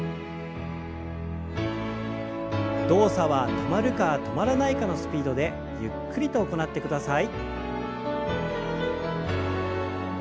動作は止まるか止まらないかのスピードでゆっくりと行ってください。